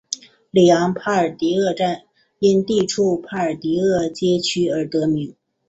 里昂帕尔迪厄站因地处帕尔迪厄街区而得名。